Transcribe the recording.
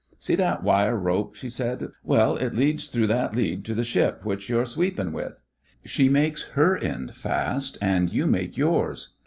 " 'See that wire rope?" she said. "Well, it leads through that lead to the ship which you're sweepin' with. She makes her end fast and you make yours.